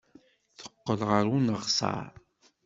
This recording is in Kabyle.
Teqqel ɣer uneɣsar.